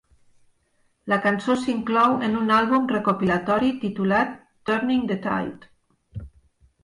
La cançó s'inclou en un àlbum recopilatori titulat "Turning the Tide".